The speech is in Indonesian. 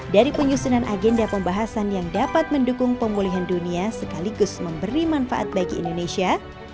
dari penyusunan agenda pembahasan yang dapat mendukung pemulihan dunia sekaligus memberi manfaat bagi indonesia